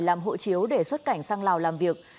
làm hộ chiếu để xuất cảnh sang lào làm việc